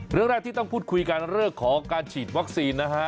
เรื่องแรกที่ต้องพูดคุยกันเรื่องของการฉีดวัคซีนนะฮะ